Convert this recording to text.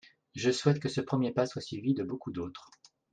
Je souhaite que ce premier pas soit suivi de beaucoup d’autres.